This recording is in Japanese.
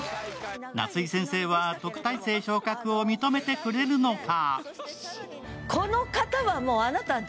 夏井先生は特待生昇格を認めてくれるのか。